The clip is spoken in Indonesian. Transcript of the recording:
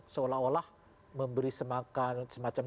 seolah olah memberi semacam